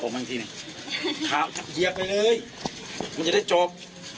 มันจะได้จบ